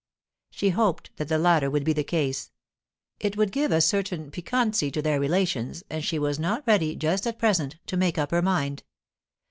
She hoped that the latter would be the case. It would give a certain piquancy to their relations, and she was not ready—just at present—to make up her mind.